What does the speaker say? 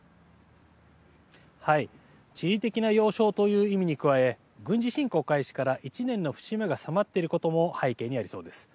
地理的な要衝という意味に加え軍事侵攻開始から１年の節目が迫っていることも背景にありそうです。